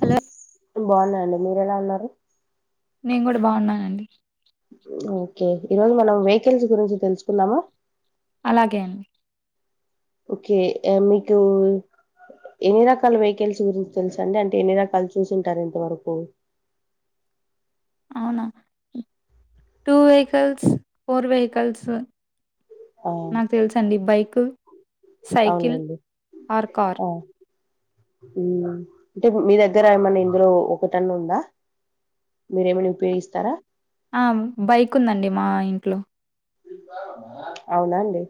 Hello బాగున్నా అండి. మీరు ఎలా ఉన్నారు. నేను కూడా బాగున్నానండి. ఓకే ఈ రోజు మనం వెహికల్స్ గురించి తెలుసుకుందామా అలాగే అండి ఓకే మీకు ఎన్ని రకాల వెహికల్స్ గురించి తెలుసు అండి అంటే ఎన్ని రకాలు చూసుంటారు. ఇంతవరకు అవునా టూ వెహికల్స్ ఫోర్ వెహికల్స్ ఆ నాకు తెలుసు అండి బైక్ ఉ సైకిల్ అవునులేండి ఆర్ కార్ ఆ అంటే మీ దగ్గర ఏమన్నా ఇందులో ఒక టన్న ఉందా మీరేమైనా ఉపయోగిస్తారా. ఆ బైక్ ఉందండి మా ఇంట్లో అవునా అండి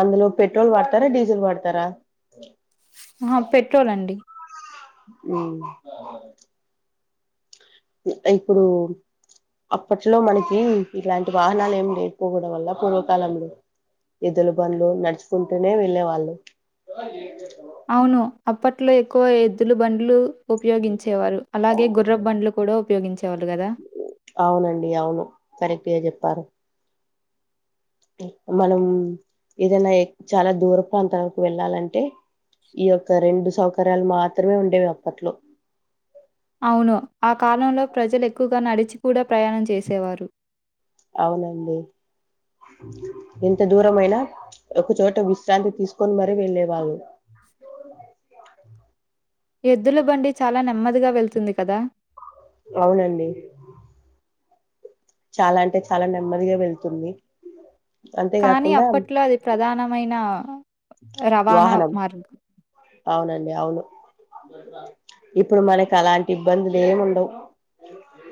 అందులో పెట్రోల్ వాడతారా డీజిల్ వాడతారా ఆహా పెట్రోల్ అండి హ్ ఇప్పుడు అప్పట్లో మనకి ఇలాంటి వాహనాలు ఏమి లేకపోవడం వల్ల పూర్వకాలంలో ఎద్దులు బండ్లు నడుచుకుంటూనే వెళ్ళే వాళ్ళు అవును. అప్పట్లో ఎక్కువ ఎద్దులు బండ్లు ఉపయోగించేవాళ్ళు అలాగే గుర్రపూ బండ్లు కూడా ఉపయోగించేవాళ్ళు గాదా ప్పరు మనం ఏదైనా చాలా దూర ప్రాంతాలకు వెళ్ళాలంటే ఈ యొక్క రెండు సౌకర్యాలు మాత్రమే ఉండేవి అప్పట్లో అవును. ఆ కాలంలో ప్రజలు ఎక్కువగా నడిచి కూడా ప్రయాణం చేసేవారు అవునండి. ఎంత దూరమయినా ఒకచోట విశ్రాంతి తీసుకొని మరీ వెళ్ళేవాళ్ళు ఎద్దుల బండి చాలా నెమ్మదిగా వెళ్తుంది కదా అవునండి. చాలా అంటే చాలా నెమ్మదిగా వెళ్తుంది. కానీ అంతేకాకుండా అప్పట్లో అది ప్రధానమైన రవాణా వాహనం మార్గం అవునండి అవును ఇప్పుడు మనకి అలాంటి ఇబ్బందులు ఏమి ఉండవు.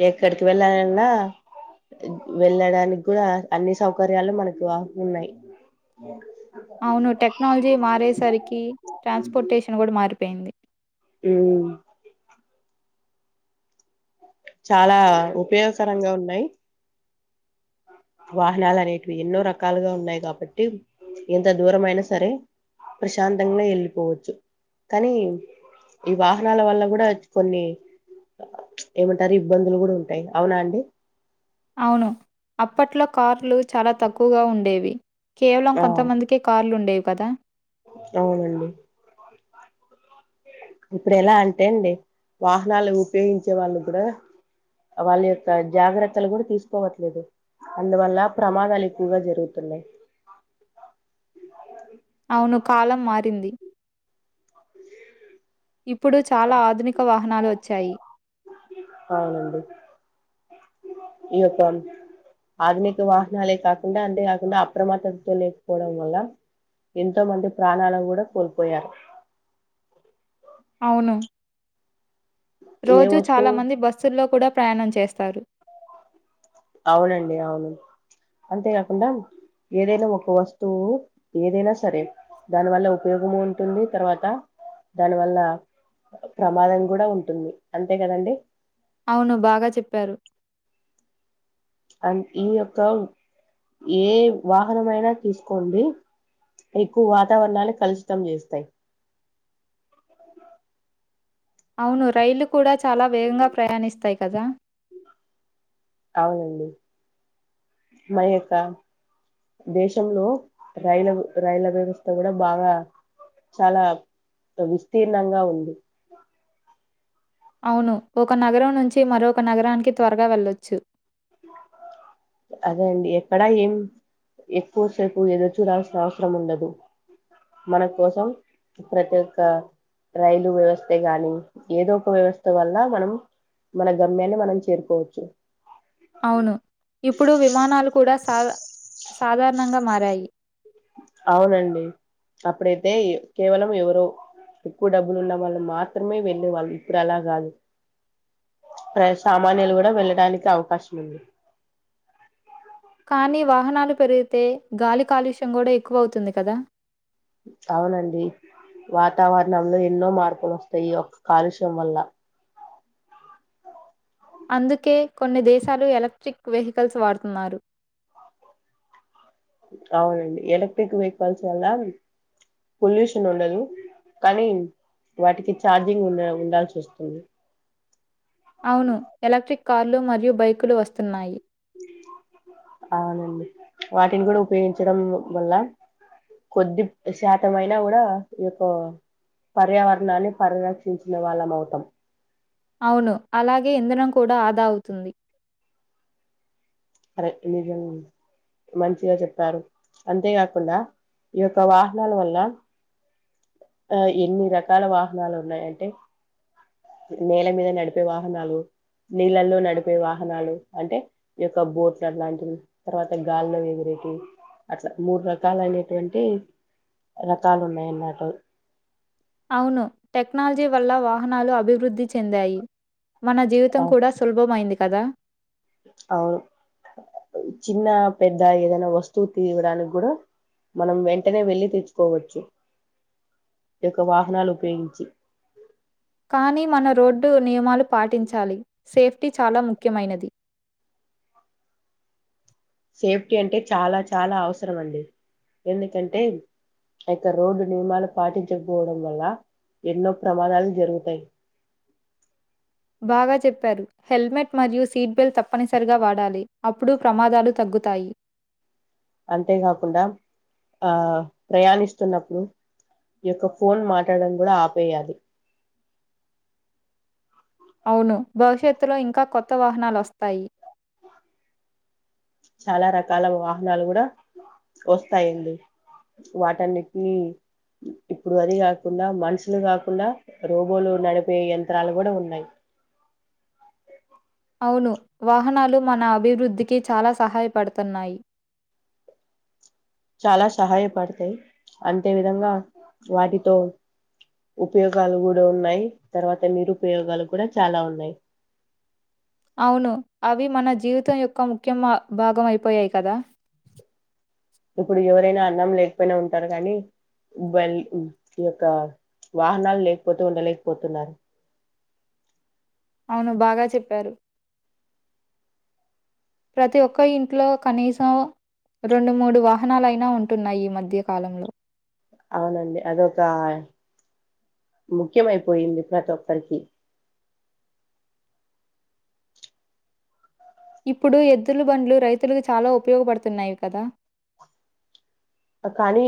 ఎక్కడికి వెళ్ళాలన్నా వెళ్ళడానికి కూడా అన్ని సౌకర్యాలు మనకు హా ఉన్నాయి. అవును టెక్నాలజీ మారేసరికి ట్రాన్స్పోర్టేషన్ కూడా మారిపో పేయింది హ్ చాలా ఉపయోగకరంగా ఉన్నాయి. వాహనాలు అనేటివి ఎన్నో రకాలుగా ఉన్నాయి. కాబట్టి ఎంత దూరం అయినా సరే ప్రశాంతంగా వెళ్ళిపోవచ్చు. కానీ ఈ వాహనాల వల్ల కూడా కొన్ని ఏమంటారు ఇబ్బందులు కూడా ఉంటాయి. అవునా అండి అవును అప్పట్లో కార్లు చాలా తక్కువగా ఉండేవి. కేవలం ఆ కొంతమందికే కార్లుండేవు కదా అవునండి ఇప్పుడు ఎలా అంటే అండి వాహనాలు ఉపయోగించే వాళ్ళు కూడా వాళ్ళ యొక్క జాగ్రత్తలు కూడా తీసుకోవట్లేదు. అందువల్ల ప్రమాదాలు ఎక్కువగా జరుగుతున్నాయి. అవును కాలం మారింది. ఇప్పుడు చాలా ఆధునిక వాహ నాలు వచ్చాయి. అవునండి. ఈ యొక్క ఆధునిక వాహనాలే కాకుండా అంతే కాకుండా అప్రమత్తతో లేకపోవడం వల్ల ఎంతో మంది ప్రాణాలను కూడా కోల్పోయారు. అవును ఏ రోజు చాలా వస్తువు మంది బస్సుల్లో కూడా ప్రయాణం చేస్తారు అవునండి అవును అంతేకాకుండా ఏదైనా ఒక వస్తువు ఏదైనా సరే దానివల్ల ఉపయోగం ఉంటుంది తర్వాత దానివల్ల ప్రమాదం కూడా ఉంటుంది అంతే కదండి అవును బాగా చెప్పారు అండ్ ఈ యొక్క ఏ వాహనంమయినా తీసుకోండి ఎక్కువ వాతావరణాలుే కలుషితం చేస్తాయి అవును రైళ్లు కూడా చాలా వేగంగా ప్రయాణిస్తాయి కదా అవునండి మా యొక్క దేశంలో రైల రైళ్ల వ్యవస్థ కూడా బాగా చాలా విస్తీర్ణంగా ఉంది అవును ఒక నగరం నుంచి మరొక నగరానికి త్వరగా వెళ్ళొచ్చు అదే అండి ఎక్కడా ఏం ఎక్కువసేపు ఎదురు చూడాల్సిన అవసరం ఉండదు మన కోసం ప్రతి ఒక్క రైలు వ్యవస్థే గాని ఏదో ఒక వ్యవస్థ వల్ల మనం మన గమ్యాన్ని మనం చేరుకోవచ్చు అవును ఇప్పుడు విమానాలు కూడా సాా సాధారణంగా మారాయి అవునండి అప్పుడైతే కేవలం ఎవరో ఎక్కువ డబ్బులు ఉన్న వాళ్ళు మాత్రమే వెళ్ళే వాళ్ళు ఇప్పుడు అలా కాదు ప్రజ సామాన్యులు కూడా వెళ్ళడానికి అవకాశం ఉంది కానీ వాహనాలు పెరిగితే గాలి కాలుష్యం కూడా ఎక్కువ అవుతుంది కదా అవునండి వాతావరణంలో ఎన్నో మార్పులు వస్తాయి ఈయొక్క కాలుష్యం వల్ల అందుకే కొన్ని దేశాలు ఎలక్ట్రిక్ వెహికల్స్ వాడుతున్నారు అవునండి ఎలక్ట్రిక్ వెహికల్స్ వల్ల పొల్యూషన్ ఉండదు కానీ వాటికి చఛార్జింగ్ ఉండ ఉండాల్సి వస్తుంది అవును ఎలక్ట్రిక్ కార్లు మరియు బైకులు వస్తున్నాయి అవునండి వాటిని కూడా ఉపయోగించడం వల్ల కొద్ది శాతం అయినా కూడా ఈ యొక్క పర్యావరణాన్ని పరిరక్షించిన వాళ్ళం అవుతాం అవును అలాగే ఇంధనం కూడా ఆదా అవుతుంది నిజం మంచిగా చెప్పారు అంతేకాకుండా ఈ యొక్క వాహనాల వల్ల ఆ ఎన్ని రకాల వాహనాలు ఉన్నాయ అంటే నేల మీద నడిపే వాహనాలు నీళ్ళల్లో నడిపే వాహనాలు అంటే బోట్లు అట్లాంటివి తర్వాత గాల్లో ఎగిరేటి అట్లా మూడు రకాల అనేటువంటి రకాలు ఉన్నాయన్నట అవును టెక్నాలజీ వల్ల వాహనాలు అభివృద్ధి చెందాయి మన జీవితం కూడా సులభంమైంది కదా అవును చిన్న పెద్ద ఏదైనా వస్తువు తీవడానికి కూడా మనం వెంటనే వెళ్లి తెచ్చుకోవచ్చు ఈ యొక్క వాహనాలు ఉపయోగించి కానీ మన రోడ్డు నియమాలు పాటించాలి సేఫ్టీ చాలా ముఖ్యమైనది సేఫ్టీ అంటే చాలా చాలా అవసరం అండి ఎందుకంటే అయొక్క రోడ్డు నియమాలు పాటించకపోవడం వల్ల ఎన్నో ప్రమాదాలు జరుగుతాయి బాగా చెప్పారు హెల్మెట్ మరియు సీట్బెల్ట్ తప్పనిసరిగా వాడాలి అప్పుడు ప్రమాదాలు తగ్గుతాయి అంతేకాకుండా ఆ ప్రయాణిస్తున్నప్పుడు ఈ యొక్క ఫోన్ మాట్లాడడం కూడా ఆపేయాలి అవును భవిష్యత్తులో ఇంకా కొత్త వాహనాలు వస్తాయి చాలా రకాల వాహనాలు కూడా వస్తాయండి వాటనికి ఇప్పుడు అది కాకుండా మనుషులు కాకుండా రోబోలు నడిపే యంత్రాలు కూడా ఉన్నాయి అవును వాహనాలు మన అభివృద్ధికి చాలా సహాయపడుతున్నాయి చాలా సహాయపడతాయి అంతే విధంగా వాటితో ఉపయోగాలు కూడా ఉన్నాయి తర్వాత నిరుపయోగాలు కూడా చాలా ఉన్నాయి అవును అవి మన జీవితం యొక్క ముఖ్యం భాగంమయిపోయాయి కదా ఇప్పుడు ఎవరైనా అన్నం లేకపోయినా ఉంటారు కానీ ఈ యొక్క వాహనాలు లేకపోతే ఉండలేకపోతున్నారు అవును బాగా చెప్పారు ప్రతి ఒక్క ఇంట్లో కనీసం రెండు మూడు వాహనాలుయినా ఉంటున్నాయి ఈ మధ్య కాలంలో అవునండి అది యొక్క ముఖ్యంమయిపోయింది ప్రతి ఒక్కరికి ఇప్పుడు ఎద్దుల బండ్లు రైతులకు చాలా ఉపయోగపడుతున్నాయి కదా కానీ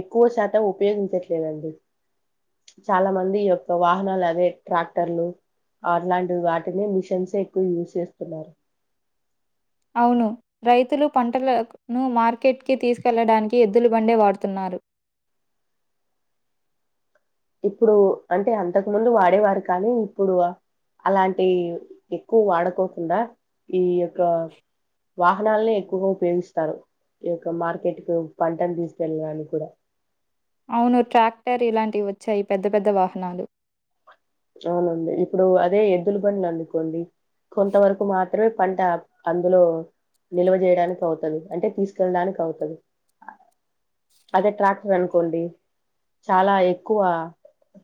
ఎక్కువ శాతం ఉపయోగించట్లేదండి చాలా మంది ఈ యొక్క వాహనాలు అదే ట్రాక్టర్లు అలాంటివి వాటినే మిషన్స్ే ఎక్కువ యూజ్ చేస్తున్నారు అవును రైతులు పంటలను మార్కెట్కిి తీసుకెళ్లడానికి ఎద్దులు బండే వాడుతున్నారు ఇప్పుడు అంటే అంతకు ముందు వాడేవారు కానీ ఇప్పుడు అలాంటి ఎక్కువ వాడకోకుండా ఈయొ కా వాహనాలని ఎక్కువగా ఉపయోగిస్తారు ఈ యొక్క మార్కెట్ కు పంటను తీసుకెళ్ళడానికి కూడా అవును ట్రాక్టర్ ఇలాంటివి వచ్చాయి పెద్ద పెద్ద వాహనాలు అవునంంది ఇప్పుడు అదే ఎద్దులబండ్లు అనుకోండి కొంతవరకు మాత్రమే పంట అందులో నిల్వ చేేయడానికి అవుతంది అంటే తీసుకెళ్లడానికి అవుతది అదే ట్రాక్టర్ అనుకోండి చాలా ఎక్కువ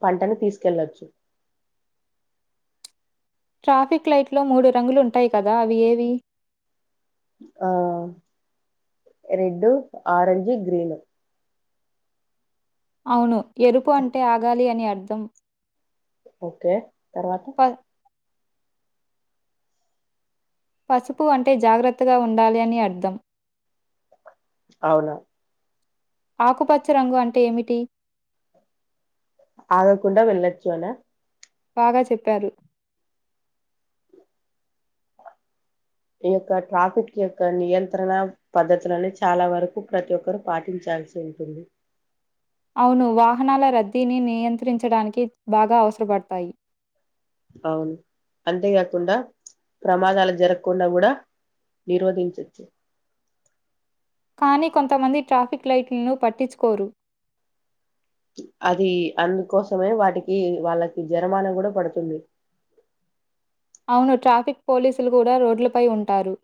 పంటని తీసుకెళ్లచ్చు ట్రాఫిక్ లైట్లో మూడు రంగులు ఉంటాయి కదా అవి ఏవి ఆ రెడ్ ఆరెజ్ గ్రీను అవును. ఎరుపు అంటే ఆగాలి అని అర్థం. ఓకే. తర్వాత ప పసుపు అంటే జాగ్రత్తగా ఉండాలి అని అర్థం. అవునా ఆకుపచ్చ రంగు అంటే ఏమిటి? ఆగకుండా వెళ్ళొచ్చు అనా? బాగా చెప్పారు. ఈ యొక్క ట్రాఫిక్ యొక్క నియంత్రణ పద్ధతులని చాలా వరకు ప్రతి ఒక్కరు పాటించాల్సి ఉంటుంది. అవును. వాహనాల రద్దీని నియంత్రించడానికి బాగా అవసరపడతాయి. అవును. అంతేగాకుండా ప్రమాదాలు జరగకుండా గూడా నిరోధించొచ్చు. కానీ కొంతమంది ట్రాఫిక్ లైట్లను పట్టించుకోరు. అది అందుకోసమే వాటికి వాళ్ళకి జరమానా కూడా పడుతుంది అవును. ట్రాఫిక్ పోలీసులు కూడా రోడ్లపై ఉంటారు.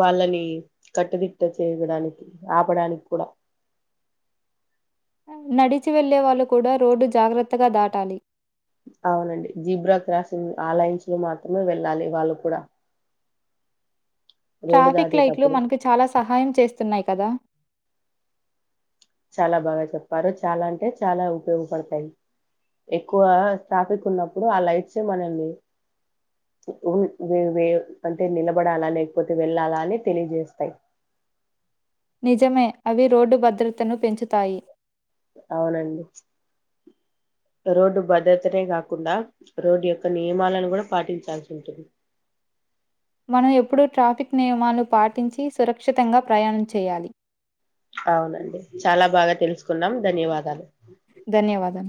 వాళ్ళని కట్టుదిట్ట చేయడానికి ఆపడానికి కూడా నడిచి వెళ్ళేవాళ్ళు కూడా రోడ్డు జాగ్రత్తగా దాటాలి. అవునండి జీబ్రా క్రాసింగ్ ఆ లైన్స్ లో మాత్రమే వెళ్ళాలి వాళ్ళు కూడా రోడ్డు ట్రాఫిక్ లైట్లు దాటేటప్పుడు మనకు చాలా సహాయం చేస్తున్నాయి కదా! చాలా బాగా చెప్పారు చాలా అంటే చాలా ఉపయోగపడతాయి ఎక్కువ ట్రాఫిక్ ఉన్నప్పుడు ఆ లైట్స్ మనల్ని ఉన్- వే- వే- అంటే నిలబడాలా లేకపోతే వెళ్ళాలా అని తెలియజేస్తాయి నిజమే. అవి రోడ్డు భద్రతను పెంచుతాయి. అవునండి రోడ్డు భద్రతనే కాకుండా రోడ్డు యొక్క నియమాలను కూడా పాటించాల్సి ఉంటుంది మనం ఎప్పుడూ ట్రాఫిక్ నియమాలు పాటించి సురక్షితంగా ప్రయాణం చేయాలి. అవునండి చాలా బాగా తెలుసుకున్నాం ధన్యవాదాలు ధన్యవాదాలు.